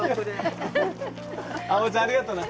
おばちゃんありがとな。